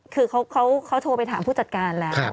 คือเขาโทรไปถามผู้จัดการแล้ว